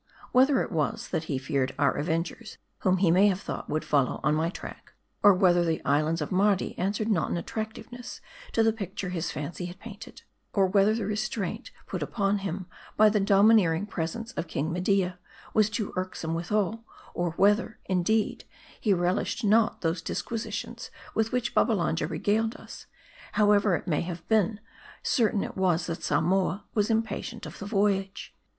Whether it was, that he feared the avengers, whom he may have thought would follow on my track ; or whether the islands of Mardi answered not in attractiveness to the picture his fancy had painted ; or whether the restraint put upon him by the domineering presence of King Media, was too irksome withal ; or whether, indeed, he relished not those disquisitions with which Babbalanja regaled us : however it may have been, certain it was, that Samoa was impatient of the voyage.